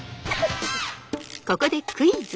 ここでクイズ。